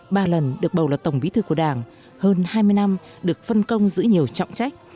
ba lần được bầu là tổng bí thư của đảng hơn hai mươi năm được phân công giữ nhiều trọng trách